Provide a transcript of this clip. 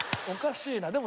おかしいな。